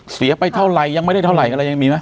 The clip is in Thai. เสียไปเท่าไหร่ยังไม่ได้เท่าไหร่อะไรยังมีไหม